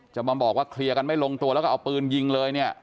จะมาบอกว่าเคลียร์กันไม่ลงตัวแล้วก็เอาปืนยิงเลยเนี่ย